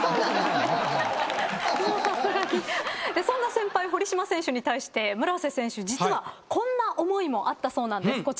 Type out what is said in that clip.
そんな先輩、堀島選手に対して村瀬選手、実はこんな思いもあったそうなんです。